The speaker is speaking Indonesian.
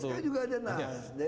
sekarang juga ada nasdem